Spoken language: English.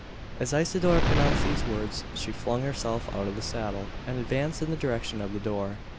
As Isidora pronounced these words, she flung herself out of the saddle, and advanced in the direction of the door.